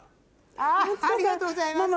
ありがとうございます。